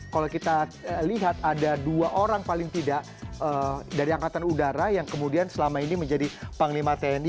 kalau kita lihat ada dua orang paling tidak dari angkatan udara yang kemudian selama ini menjadi panglima tni